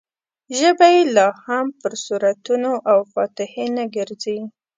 ژبه یې لا هم پر سورتونو او فاتحې نه ګرځي.